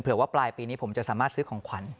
ว่าปลายปีนี้ผมจะสามารถซื้อของขวัญ